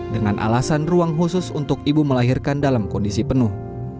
dengan alasan ruang khusus untuk ibu melahirkan dalam kondisi penuh